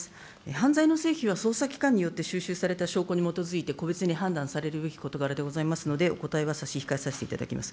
犯罪の成否は捜査機関によって収集された証拠に基づいて個別に判断されるべき事柄でございますので、お答えは差し控えさせていただきます。